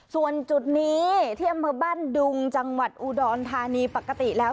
ส่วนจุดนี้ที่อำเภอบ้านดุงจังหวัดอุดรธานีปกติแล้ว